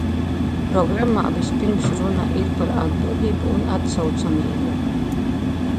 Programmā vispirms runa ir par atbildību un atsaucamību.